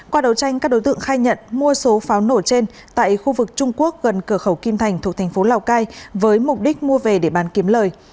qua đấu tranh các đối tượng khai nhận mua số pháo nổ trên tại khu vực trung quốc gần cửa khẩu kim thành thuộc thành phố lào cai với mục đích mua về để bán kiếm lời